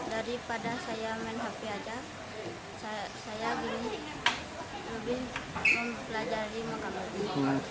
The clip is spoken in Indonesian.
daripada saya main hp aja saya lebih mempelajari megambel